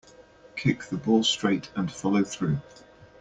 Kick the ball straight and follow through.